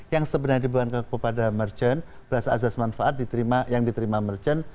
yang sebenarnya dibuat kepada merchant berasal asas manfaat yang diterima merchant